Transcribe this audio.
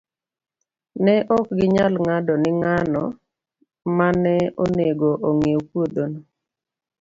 Ne ok ginyal ng'ado ni ng'ano ma ne onego ong'iew puodhono.